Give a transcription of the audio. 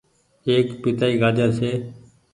ايڪ پيتآئي گآجر ڇي ۔